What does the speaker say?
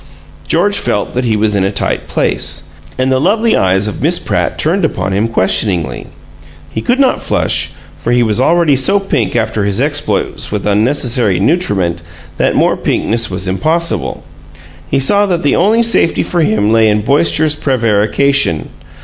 George felt that he was in a tight place, and the lovely eyes of Miss Pratt turned upon him questioningly. He could not flush, for he was already so pink after his exploits with unnecessary nutriment that more pinkness was impossible. He saw that the only safety for him lay in boisterous prevarication.